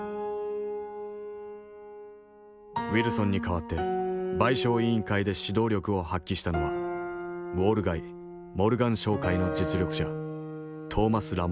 ウィルソンに代わって賠償委員会で指導力を発揮したのはウォール街モルガン商会の実力者トーマス・ラモント。